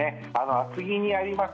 厚木にあります